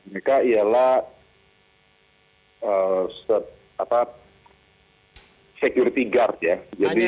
mereka ialah security guard ya